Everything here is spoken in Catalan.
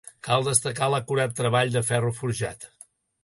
Cal destacar l'acurat treball del ferro forjat.